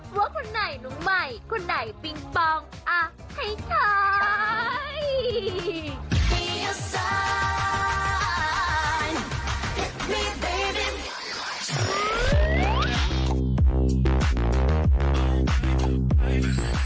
ว่าคุณไหนนุ่มใหม่คุณไหนปิงปองอ่ะให้ใช้